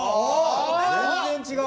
全然違う。